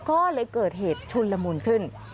ก็เลยเกิดเหตุชุนละมุนขึ้น